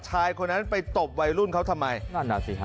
ชายคนนั้นไปตบวัยรุ่นเขาทำไม